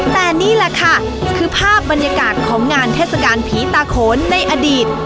แต่นี่แหละค่ะคือภาพบรรยากาศของงานเทศกาลผีตาโขนในอดีต